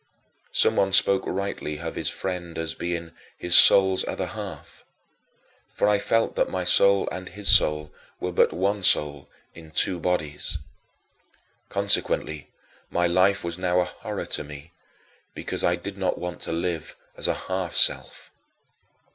Someone spoke rightly of his friend as being "his soul's other half" for I felt that my soul and his soul were but one soul in two bodies. Consequently, my life was now a horror to me because I did not want to live as a half self.